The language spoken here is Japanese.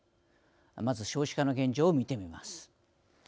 まず、少子化の現状を見てみます。